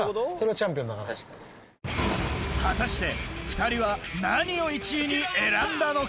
果たして２人は何を１位に選んだのか？